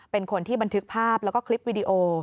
เป็นคนที่บันทึกภาพแล้วก็คลิปวิดีโอ